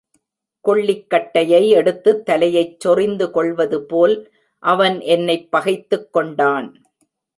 கொள்ளிக்கட்டையை எடுத்துத் தலையைச் சொறிந்துகொள்வதுபோல் அவன் என்னைப் பகைத்துக்கொண்டான்.